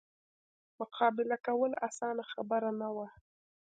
مقابله کول اسانه خبره نه وه.